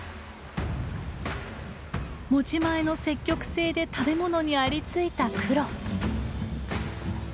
持ち前の積極性で食べ物にありついたクロ。